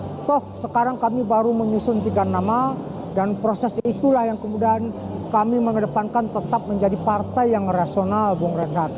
jadi toh sekarang kami baru menyusun tiga nama dan proses itulah yang kemudian kami mengedepankan tetap menjadi partai yang rasional bung renhar